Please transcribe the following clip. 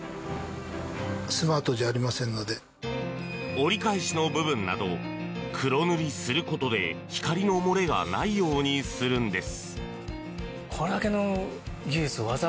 折り返しの部分など黒塗りすることで光の漏れがないようにするんです。